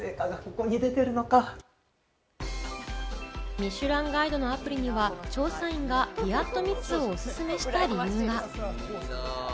『ミシュランガイド』のアプリには調査員がピアットミツをおすすめした理由が。